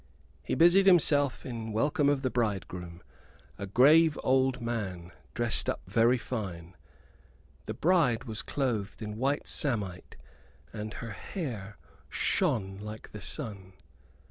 He busied himself in welcome of the bridegroom a grave old man, dressed up very fine. The bride was clothed in white samite, and her hair shone like the sun.